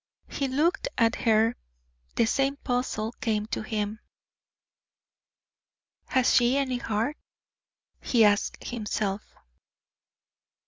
He looked at her the same puzzle came to him. "Has she any heart?" he asked himself.